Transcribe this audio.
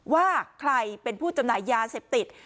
ว่าใครเป็นผู้จำหน่ายยาเสพติด